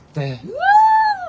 うわ！